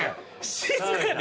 静かに。